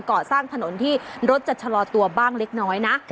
ก่อสร้างถนนที่รถจะชะลอตัวบ้างเล็กน้อยนะ